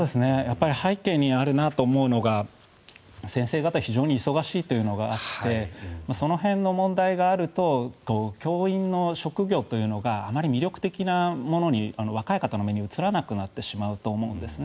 背景にあるなと思うのが先生方非常に忙しいというのがあってその辺の問題があると教員の職業というのがあまり魅力的なものに若い方の目に映らなくなってしまうと思うんですね。